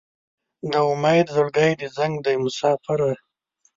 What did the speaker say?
د امید زړګی دې زنګ دی مساپره